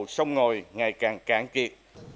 sông ngồi ngày càng cán kiệt